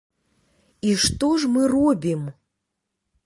І што ж мы робім?